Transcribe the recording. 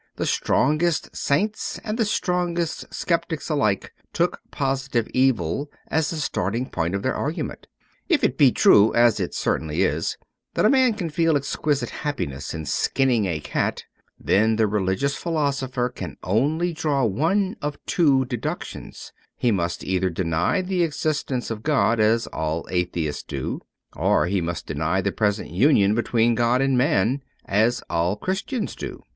The strongest saints and the strongest sceptics alike took positive evil as the starting point of their argument. If it be true (as it certainly is) that a man can feel exquisite happiness in skinning a cat, then the religious philosopher can only draw one of two deductions : he must either deny the existence of God, as all Atheists do, or he must deny the present union between God and man, as all Christians do.